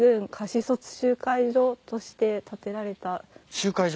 集会所？